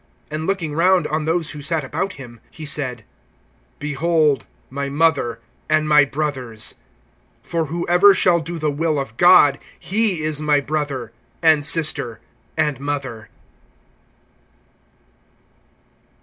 (34)And looking round on those who sat about him, he said: Behold my mother, and my brothers! (35)For whoever shall do the will of God, he is my brother, and sister, and mother.